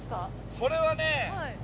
それはね。